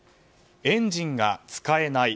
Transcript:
エンジンが使えない。